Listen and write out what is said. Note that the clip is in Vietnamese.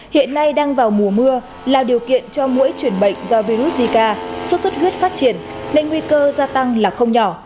hiện nay đang vào mùa mưa là điều kiện cho mỗi chuyển bệnh do virus zika sốt xuất huyết phát triển nên nguy cơ gia tăng là không nhỏ